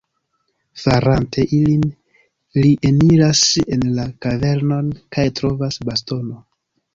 Farante ilin, li eniras en la kavernon kaj trovas bastono.